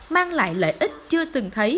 mang lại lợi ích chưa từng thấy